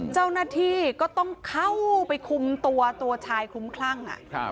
เจ้าหน้าที่ก็ต้องเข้าไปคุมตัวตัวชายคลุ้มคลั่ง